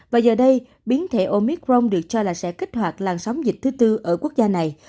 và giờ đây biến thể omicron được cho là sẽ kích hoạt làn sóng dịch thứ tư ở quốc gia này